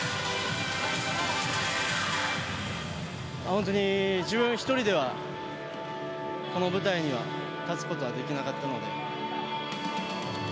本当に自分一人ではこの舞台には立つことはできなかったので。